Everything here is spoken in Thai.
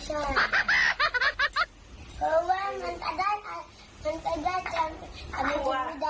เพราะว่ามันจะได้มาฉันจะได้ใจอันนี้บอกไม่ได้